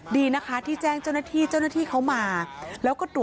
ดีนะคะที่แจ้งเจ้าหน้าที่เจ้าหน้าที่เขามา